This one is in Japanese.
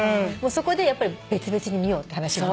そこでやっぱり別々に見ようって話に。